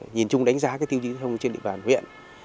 nhìn chung đánh giá tiêu chí thông trên địa bàn huyện